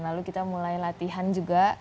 lalu kita mulai latihan juga